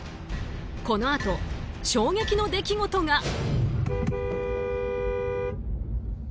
このあと衝撃の出来事が。